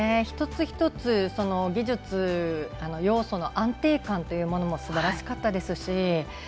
一つ一つ、技術、要素の安定感もすばらしかったですし